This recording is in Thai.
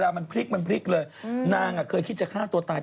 อีกวันไปทำข่าวอยู่หลังวันที่